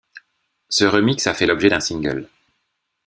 Ce remix a fait l'objet d'un single.